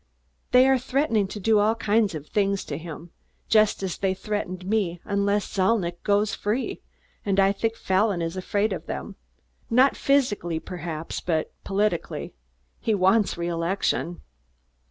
They are threatening to do all kinds of things to him, just as they threatened me, unless Zalnitch goes free, and I think Fallon is afraid of them, not physically perhaps, but politically. He wants reelection."